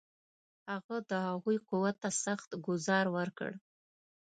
هغه د هغوی قوت ته سخت ګوزار ورکړ.